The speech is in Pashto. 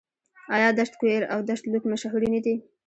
آیا دشت کویر او دشت لوت مشهورې نه دي؟